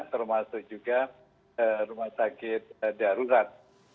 termasuk juga rumah sakit darurat